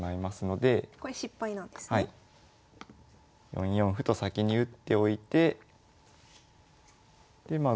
４四歩と先に打っておいてでまあ